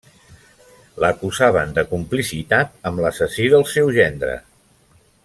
L'acusaven de complicitat amb l'assassí del seu gendre.